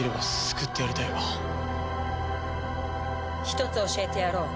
ひとつ教えてやろう。